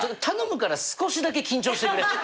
頼むから少しだけ緊張してくれ。